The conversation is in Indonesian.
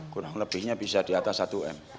kurang lebihnya bisa di atas satu m